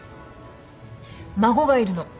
孫がいるの。